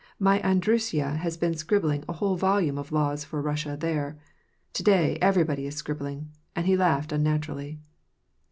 My Andryusha has been scribbling a whole volume of laws for Russia there. To day, everybody is scribbling." And he laughed unnaturally.